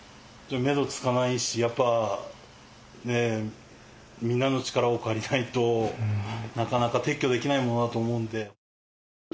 メドつかないし、やっぱね、みんなの力を借りないと、なかなか撤去できないものだと思うんで。